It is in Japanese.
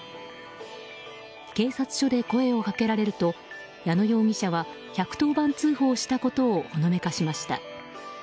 警察署で声をかけられると矢野容疑者は１１０番通報したことをほのめかしました。